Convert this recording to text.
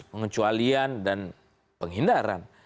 pengecualian dan penghindaran